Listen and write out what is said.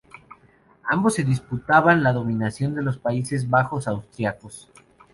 Ambos se disputaban la dominación de los Países Bajos austriacos.